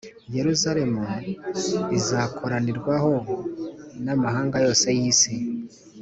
yeruzalemu izakoranirwaho n’amahanga yose y’isi